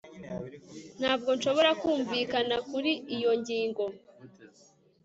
Ntabwo nshobora kumvikana kuri iyo ngingo